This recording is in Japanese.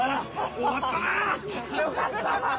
終わったなぁ！